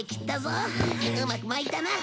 うまくまいたな。